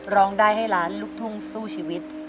ร้องได้ให้ล้านลูกทุ่งสู้ชีวิต